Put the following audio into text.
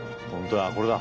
これだ。